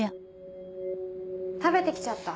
食べて来ちゃった。